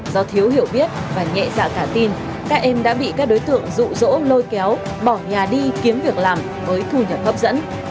do thiếu hiểu biết và nhẹ dạ cả tin các em đã bị các đối tượng rụ rỗ lôi kéo bỏ nhà đi kiếm việc làm với thu nhập hấp dẫn